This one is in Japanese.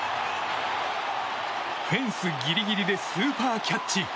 フェンスギリギリでスーパーキャッチ。